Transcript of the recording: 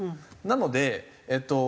なのでえっと